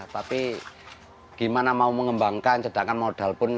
tapi gimana mau mengembangkan sedangkan modal pun